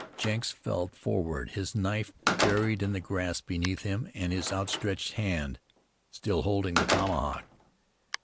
Jenks fell forward, his knife buried in the grass beneath him, and his outstretched hand still holding the tomahawk.